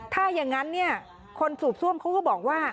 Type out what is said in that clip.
ถ้าอย่างนั้นเนี่ยคนสูบซ่วมเขาก็บอกว่า